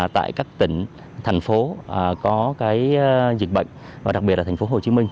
tại các tỉnh thành phố có dịch bệnh và đặc biệt là thành phố hồ chí minh